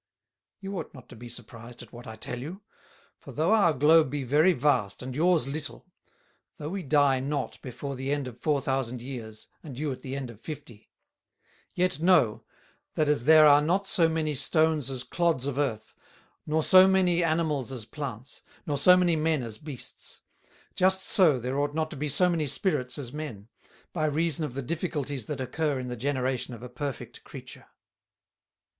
"You ought not to be surprised at what I tell you; for though our Globe be very vast, and yours little, though we die not before the end of Four thousand Years, and you at the end of Fifty; yet know, that as there are not so many Stones as clods of Earth, nor so many Animals as Plants, nor so many Men as Beasts; just so there ought not to be so many Spirits as Men, by reason of the difficulties that occur in the Generation of a perfect Creature."